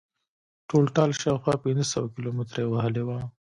ټولټال شاوخوا پنځه سوه کیلومتره یې وهلې وه.